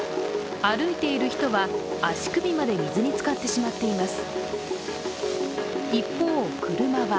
歩いている人は足首まで水につかってしまっています。